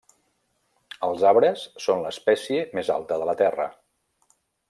Els arbres són l'espècie més alta de la terra.